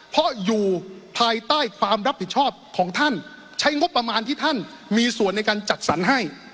เพราะอยู่ภายใต้ความรับผิดชอบของท่านใช้งบประมาณที่ท่านมีส่วนในการจัดสรรให้